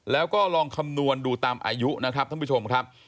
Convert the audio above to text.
แล้วก็ลองคำนวณดูตามอายุนะครับท่านผู้ชมครับ